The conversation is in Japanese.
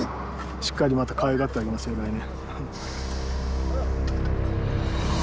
しっかりまたかわいがってあげますよ来年。